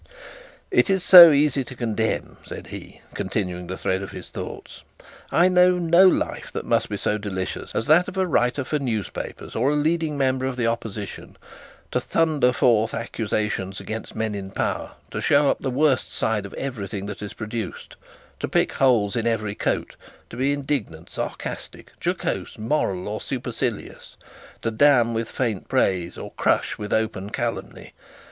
'It is so easy to condemn,' said he, continuing the thread of his thoughts. 'I know no life that must be so delicious as that of a writer for newspapers, or a leading member of the opposition to thunder forth accusations against men in power; show up the worst side of every thing that is produced; to pick holes in every coat; to be indignant, sarcastic, jocose, moral, or supercilious; to damn with faint praise, or crush with open calumny!